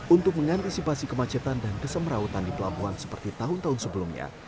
untuk mengantisipasi kemacetan dan kesemerautan di pelabuhan seperti tahun tahun sebelumnya